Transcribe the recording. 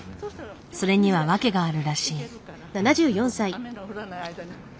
それには訳があるらしい。